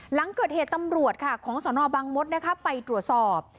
หลังเกิดเหตุตำรวจค่ะของสนบังมดไปตรวจสอบ